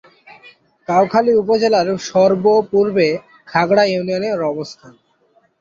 কাউখালী উপজেলার সর্ব-পূর্বে ঘাগড়া ইউনিয়নের অবস্থান।